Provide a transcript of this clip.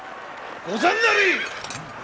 ござんなれ！